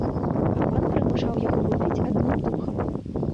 А пан прымушаў яго выпіць адным духам.